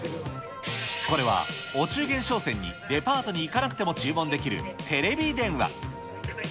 これは、お中元商戦にデパートに行かなくても注文できるテレビ電話。